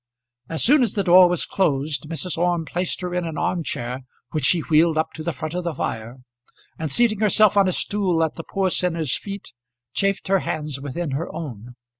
As soon as the door was closed Mrs. Orme placed her in an arm chair which she wheeled up to the front of the fire, and seating herself on a stool at the poor sinner's feet, chafed her hands within her own.